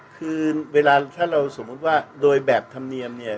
คือเวลาถ้าเราสมมุติว่าโดยแบบธรรมเนียมเนี่ย